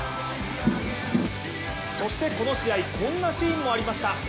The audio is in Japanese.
そしてこの試合、こんなシーンもありました。